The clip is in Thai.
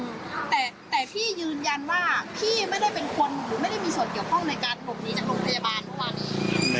พี่ไม่ได้เป็นคนหรือไม่ได้มีส่วนเกี่ยวข้องในการกลบหนีจากโรงพยาบาลหรือเปล่า